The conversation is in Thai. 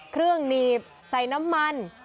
เครื่องหนีบใส่น้ำมัน